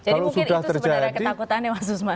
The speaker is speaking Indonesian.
jadi mungkin itu sebenarnya ketakutannya mas usman